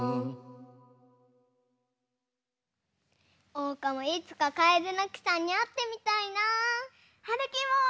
おうかもいつかカエデの木さんにあってみたいな。はるきも！